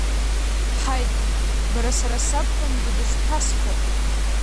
Ҳаит, бара, сара сабхәында дышԥасфо!